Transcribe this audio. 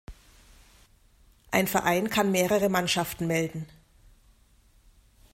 Ein Verein kann mehrere Mannschaften melden.